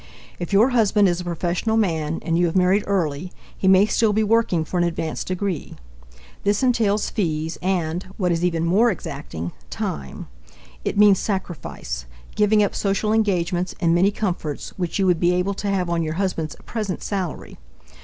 If your husband is a professional man and you have married early, he may still be working for an advanced degree. This entails fees and what is even more exacting time. It means sacrifice giving up social engagements and many comforts which you would be able to have on your husband's present salary.